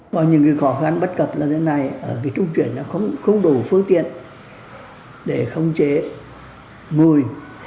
có nhiều người khó khăn bất cập là thế này trung chuyển không đủ phương tiện để khống chế mùi